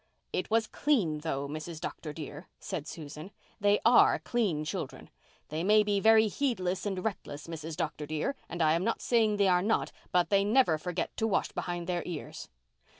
"It was clean, though, Mrs. Dr. dear," said Susan. "They are clean children. They may be very heedless and reckless, Mrs. Dr. dear, and I am not saying they are not, but they never forget to wash behind their ears."